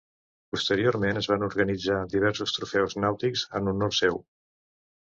Posteriorment es van organitzar diversos trofeus nàutics en honor seu.